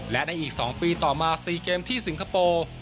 และในอีก๒ปีต่อมา๔เกมที่สิงคโปร์